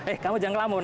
eh kamu jangan kelamun